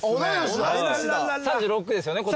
３６ですよね今年。